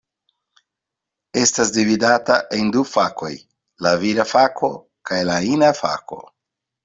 Estas dividata en du fakoj: la vira fako kaj la ina fako.